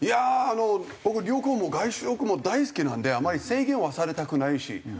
あの僕旅行も外食も大好きなんであまり制限はされたくないし。